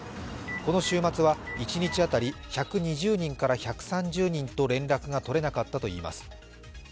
この週末は一日当たり１２０人から１３０人と連絡がとれなかったといいます。